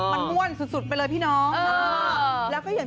มันม่วนสุดไปเลยพี่น้อง